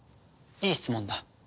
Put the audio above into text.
いい質問だ。